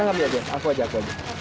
nggak nggak aku aja